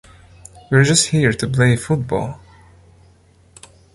We are just here to play football.